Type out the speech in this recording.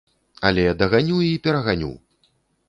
Але даганю і пераганю!